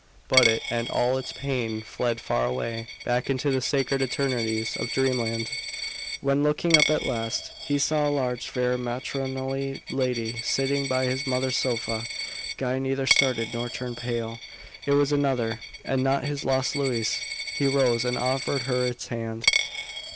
But it and all its pain fled far away, back into the sacred eternities of dreamland. When, looking up at last, he saw a large, fair, matronly lady sitting by his mother's sofa, Guy neither started nor turned pale. It was another, and not his lost Louise. He rose and offered her his hand.